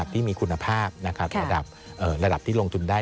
ที่มีคุณภาพระดับที่ลงทุนได้